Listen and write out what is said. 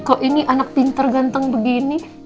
kok ini anak pinter ganteng begini